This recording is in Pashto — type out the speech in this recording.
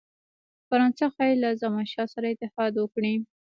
فرانسه ښايي له زمانشاه سره اتحاد وکړي.